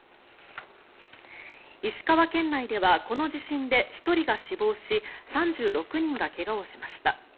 石川県内では、この地震で１人が死亡し３６人が怪我をしました。